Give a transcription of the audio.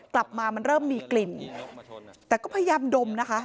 กลับมามันเริ่มมีกลิ่นแต่ก็พยายามดมนะคะ